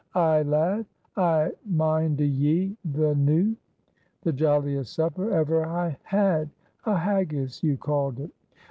"Ay, lad, I mind o' ye the noo!" "The jolliest supper ever I had a haggis you called it."